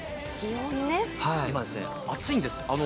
今、暑いんです。